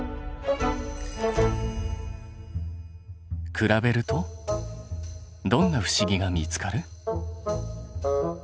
比べるとどんな不思議が見つかる？